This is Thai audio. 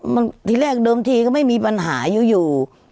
มันทีแรกเดิมทีก็ไม่มีปัญหาอยู่